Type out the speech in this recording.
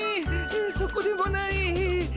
そこでもない。